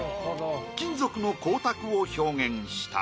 金属の光沢を表現した。